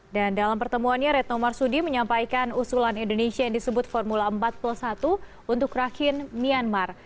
dan dalam pertemuannya retno marsudi menyampaikan usulan indonesia yang disebut formula empat plus satu untuk rakin myanmar